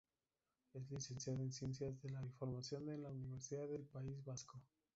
Es licenciada en Ciencias de la Información en la Universidad del País Vasco.